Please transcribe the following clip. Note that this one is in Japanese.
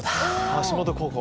橋本高校。